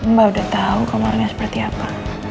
mbak udah tahu kamarnya seperti apa